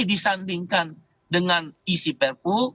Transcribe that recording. disandingkan dengan isi perpu